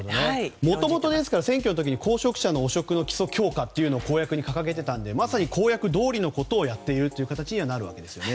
もともと選挙の時に、候補者の汚職の起訴強化を公約に掲げていたので公約どおりのことをやっている形ですね。